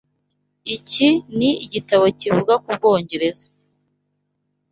Iki ni igitabo kivuga ku Bwongereza.